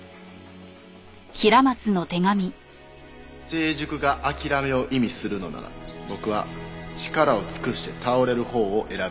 「成熟が諦めを意味するのなら僕は力を尽くして倒れるほうを選びたい」